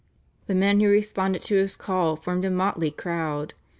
The men who responded to his call formed a motley crowd.